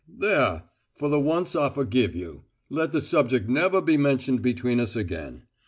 "There! For the once I forgive you. Let the subject never be mentioned between us again.